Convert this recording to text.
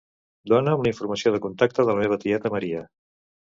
Dona'm la informació de contacte de la meva tieta Maria.